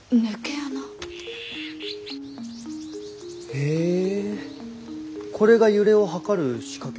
へえこれが揺れを測る仕掛けなのかい？